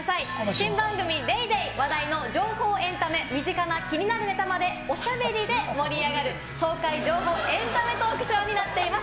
新番組ＤａｙＤａｙ．話題の情報、エンタメ、身近な気になるネタまで、おしゃべりで盛り上がる爽快情報エンタメトークショーになっています。